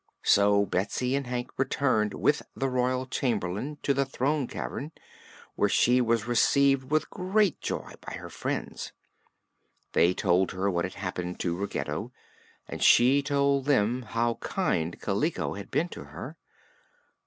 So Betsy and Hank returned with the Royal Chamberlain to the throne cavern, where she was received with great joy by her friends. They told her what had happened to Ruggedo and she told them how kind Kaliko had been to her.